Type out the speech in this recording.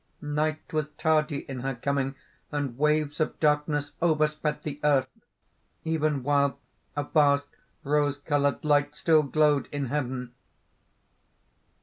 Night was tardy in her coming; and waves of darkness overspread the earth, even while a vast rose coloured light still glowed in heaven.